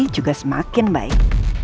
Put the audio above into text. juga semakin baik